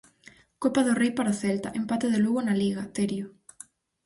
Copa do Rei para o Celta, empate do Lugo na Liga, Terio.